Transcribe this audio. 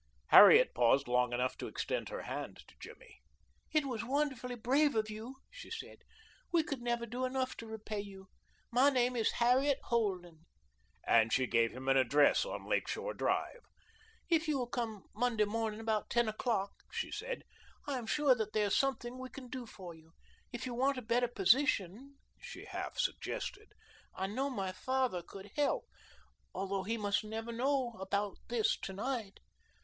Harriet paused long enough to extend her hand to Jimmy. "It was wonderfully brave of you," she said. "We could never do enough to repay you. My name is Harriet Holden," and she gave him an address on Lake Shore Drive. "If you will come Monday morning about ten o'clock," she said, "I am sure that there is something we can do for you. If you want a better position," she half suggested, "I know my father could help, although he must never know about this to night."